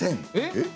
えっ？